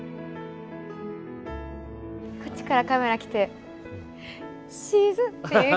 こっちからカメラ来て「沈」っていう。